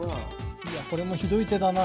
いやこれもひどい手だな。